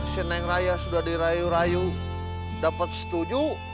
nanti si neng raya sudah dirayu rayu dapat setuju